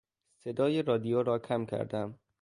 صدای رادیو را کم کردم.